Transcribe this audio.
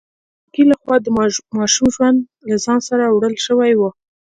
د مرګي لخوا د ماشوم ژوند له ځان سره وړل شوی و.